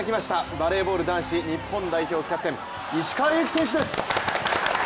バレーボール男子日本代表キャプテン、石川祐希選手です。